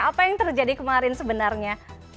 apa yang terjadi kemarin sebenarnya